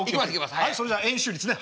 さあそれじゃあ円周率ね。